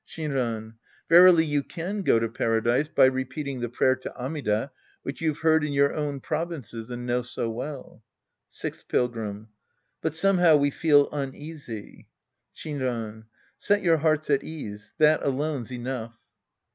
Shinran. Verily you can go to Paradise by repeat ing the prayer to Amida which you've heard in your own provinces and know so well. Sixth Pilgrim. But somehow we feel uneasy. Shinran. Set your hearts at ease. That alone's enough.